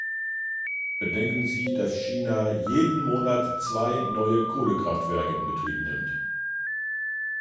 Bedenken Sie, dass China jeden Monat zwei neue Kohlekraftwerke in Betrieb nimmt!